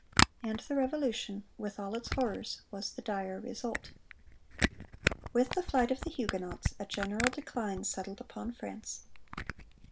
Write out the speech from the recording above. (414) And the Revolution, with all its horrors, was the dire result. "With the flight of the Huguenots a general decline settled upon France.